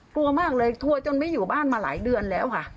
กลัวมากเลยกลัวจนไม่อยู่บ้านมาหลายเดือนแล้วค่ะ